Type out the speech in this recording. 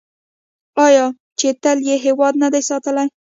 آیا چې تل یې هیواد نه دی ساتلی؟